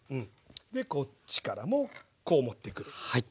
でこっちからもこう持ってくる。